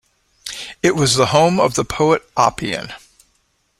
It was the home of the poet Oppian.